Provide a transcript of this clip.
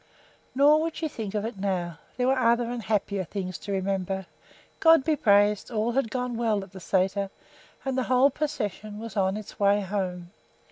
Nor would she think of it now; there were other and happier things to remember. God be praised, all had gone well at the sæter, and the whole procession was on its way home.